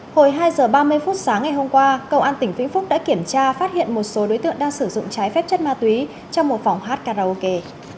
hồi hai h ba mươi phút sáng ngày hôm qua công an tỉnh vĩnh phúc đã kiểm tra phát hiện một số đối tượng đang sử dụng trái phép chất ma túy trong một phòng hát karaoke